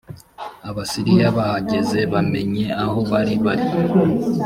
abasiriya bahageze bamenye aho bari bari